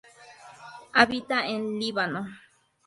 Habita en Líbano.